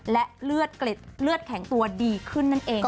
และเลือดแข็งตัวดีขึ้นนั่นเอง